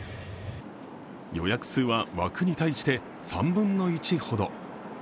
予約数は枠に対して３分の１ほど。